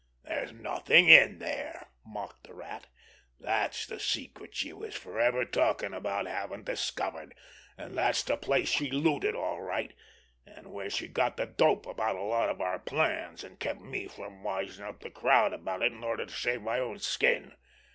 "There's nothing in there!" mocked the Rat. "That's the secret she was forever talking about having discovered, and that's the place she looted all right, and where she got the dope about a lot of our plans, and kept me from wising up the crowd about it in order to save my own skin.